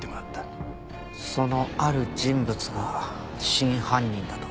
その「ある人物」が真犯人だと？